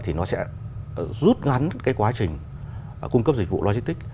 thì nó sẽ rút ngắn cái quá trình cung cấp dịch vụ logistics